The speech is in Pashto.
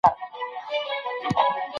ما خپله څېړنه په یو علمي مجله کي خپره کړه.